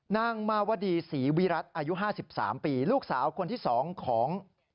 นางมาวดีศรีวิรัติอายุ๕๓ปีลูกสาวคนที่๒ของ